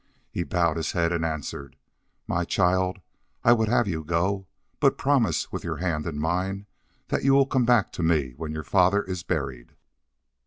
He bowed his head and answered: "My child, I would have you go. But promise with your hand in mine that you will come back to me when your father is buried."